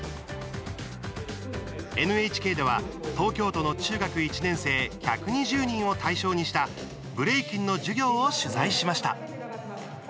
ＮＨＫでは、東京都の中学１年生１２０人を対象にしたブレイキンの授業を取材しました。